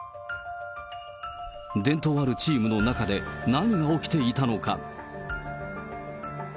伝統あるチームの中で、何が起きていたのか。